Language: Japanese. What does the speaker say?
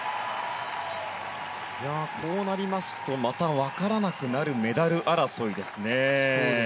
こうなりますと分からなくなるメダル争いですね。